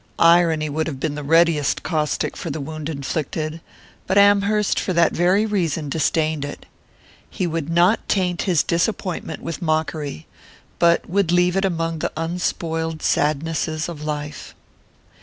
Irony would have been the readiest caustic for the wound inflicted; but Amherst, for that very reason, disdained it. He would not taint his disappointment with mockery, but would leave it among the unspoiled sadnesses of life....